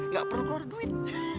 gak perlu keluar duit